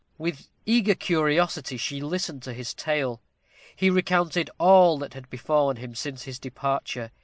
With eager curiosity she listened to his tale. He recounted all that had befallen him since his departure.